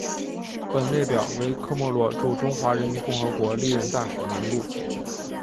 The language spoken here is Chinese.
本列表为科摩罗驻中华人民共和国历任大使名录。